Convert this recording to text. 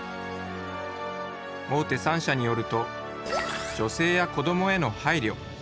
大手３社によると女性や子どもへの配慮